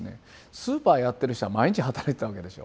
スーパーやってる人は毎日働いてたわけでしょ。